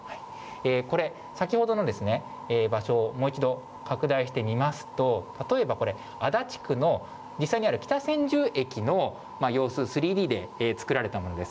これ、先ほどの場所をもう一度拡大して見ますと、例えばこれ、足立区の実際にある北千住駅の様子、３Ｄで作られたものです。